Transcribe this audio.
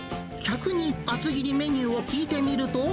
客に厚切りメニューを聞いてみると。